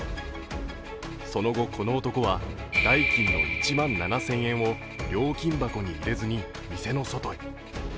その後、この男は代金の１万７０００円を料金箱に入れずに店の外へ。